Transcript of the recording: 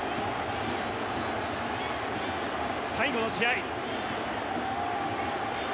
最後の試合。